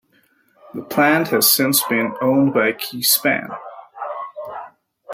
The plant has since been owned by KeySpan.